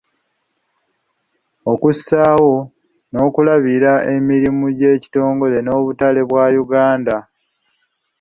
Okussaawo n'okulabirira emirimu gy'ekitongole n'obutale bwa Uganda.